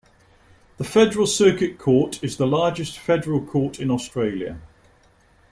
The Federal Circuit Court is the largest federal court in Australia.